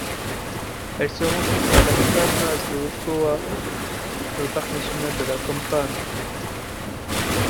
Elle se rencontre à Las Palmas de Ocoa dans le parc national La Campana.